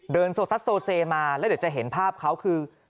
เดินสัดมาแล้วเดี๋ยวจะเห็นภาพเขาคือ